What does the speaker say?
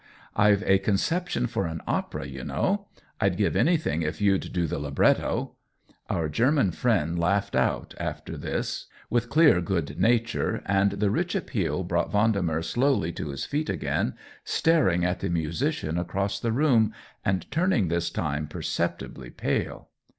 " IVe a conception for an opera, you know — I'd give anything if you'd do the libretto !" Our German friend laughed out, after this, with clear good nature, and the rich appeal brought Vendemer slowly to his feet again, staring at the musician across the room and turning this time perceptibly pale.